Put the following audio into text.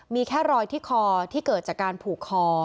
มีแค่รอยที่คอที่เกิดจากการผูกคอ